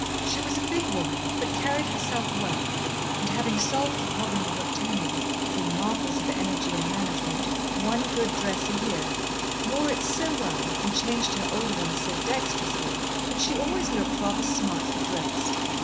She was a big woman, but carried herself well, and having solved the problem of obtaining, through marvels of energy and management, one good dress a year, wore it so well, and changed her old ones so dexterously, that she always looked rather smartly dressed.